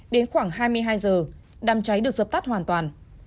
đến khoảng hai mươi hai h đám cháy được dập tắt hoàn toàn